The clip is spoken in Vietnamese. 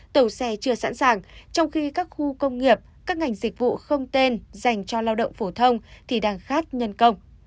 ngày trưa sẵn sàng trong khi các khu công nghiệp các ngành dịch vụ không tên dành cho lao động phổ thông thì đang khát nhân công